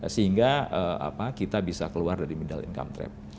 sehingga kita bisa keluar dari middle income trap